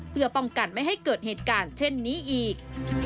เพื่อป้องกันไม่ให้เกิดเหตุการณ์เช่นนี้อีก